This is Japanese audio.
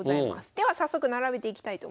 では早速並べていきたいと思います。